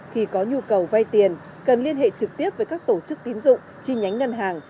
khi có nhu cầu vay tiền cần liên hệ trực tiếp với các tổ chức tín dụng chi nhánh ngân hàng